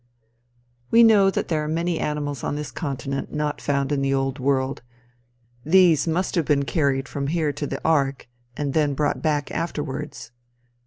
We know that there are many animals on this continent not found in the Old World. These must have been carried from here to the ark, and then brought back afterwards.